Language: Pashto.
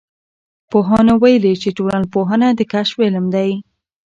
پوهانو ویلي چې ټولنپوهنه د کشف علم دی.